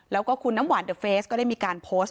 แล้วก็คุณน้ำหวานเดอเฟสก็ได้มีการโพสต์